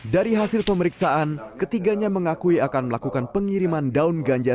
dari hasil pemeriksaan ketiganya mengakui akan melakukan pengiriman daun ganja